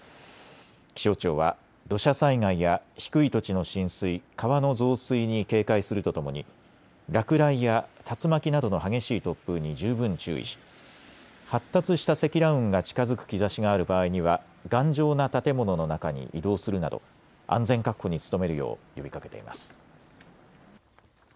気象庁は土砂災害や低い土地の浸水、川の増水に警戒するとともに落雷や竜巻などの激しい突風に十分注意し発達した積乱雲が近づく兆しがある場合には頑丈な建物の中に移動するなど安全確保に努めるよう呼びかけています。